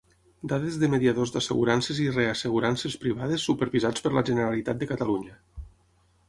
Dades de mediadors d'assegurances i reassegurances privades supervisats per la Generalitat de Catalunya.